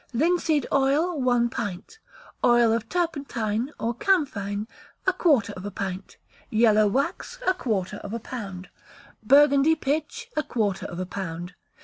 Linseed oil, one pint; oil of turpentine, or camphine, a quarter of a pint; yellow wax, a quarter of a pound; Burgundy pitch, a quarter of a pound.